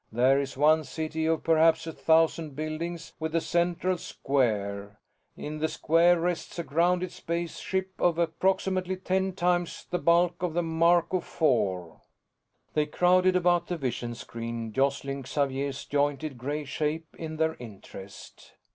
There is one city of perhaps a thousand buildings with a central square. In the square rests a grounded spaceship of approximately ten times the bulk of the Marco Four." They crowded about the vision screen, jostling Xavier's jointed gray shape in their interest.